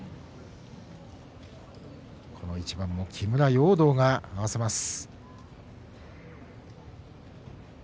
この一番も木村容堂が合わせます。